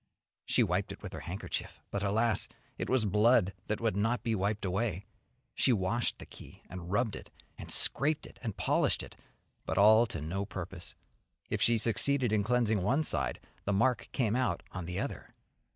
She wiped it with her handkerchief, but alas! it was blood that would not be wiped away. She washed the key and rubbed it, and scraped it and polished it, but all to no purpose, if she succeeded in cleansing one side, the mark came out on the other.